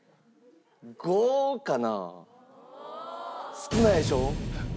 少ないでしょ？